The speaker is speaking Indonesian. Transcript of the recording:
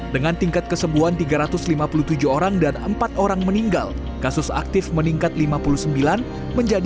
dengan tingkat kesembuhan tiga ratus lima puluh tujuh orang dan empat orang meninggal kasus aktif meningkat lima puluh sembilan menjadi dua puluh